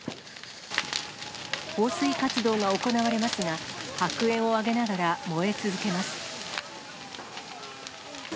放水活動が行われますが、白煙を上げながら燃え続けます。